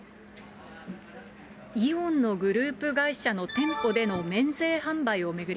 イオンのグループ会社の店舗での免税販売を巡り、